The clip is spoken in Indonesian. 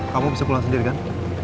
kamu bisa pulang sendiri kan